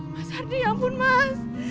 mas ardi ampun mas